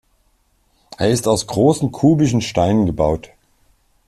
Er ist aus großen kubischen Steinen gebaut.